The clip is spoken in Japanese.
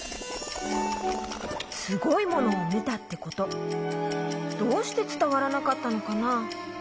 すごいものをみたってことどうしてつたわらなかったのかな？